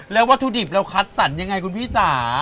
แล้ววัตถุดิบเราคัดสรรยังไงคุณพี่จ๋า